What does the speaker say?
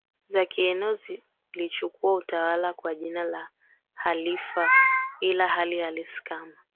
za kieneo zilichukua utawala kwa jina la khalifa ila hali halisi kama